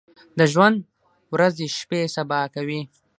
د ژوند ورځې شپې سبا کوي ۔